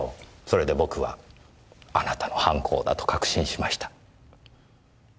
それで僕はあなたの犯行だと確信しました。